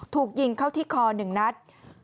ถูกยิงเข้าที่คอ๑นัด